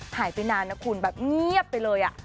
หายไปนานนะคุณแบบเงียบไปเลย